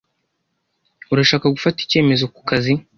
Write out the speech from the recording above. Urashaka gufata icyemezo ku kazi?